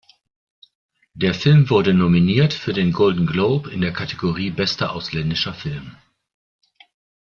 Der Film wurde nominiert für den Golden Globe in der Kategorie bester ausländischer Film.